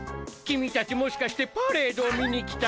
君たちもしかしてパレードを見に来た。